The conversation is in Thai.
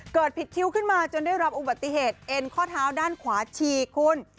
ผิดคิ้วขึ้นมาจนได้รับอุบัติเหตุเอ็นข้อเท้าด้านขวาฉีกคุณ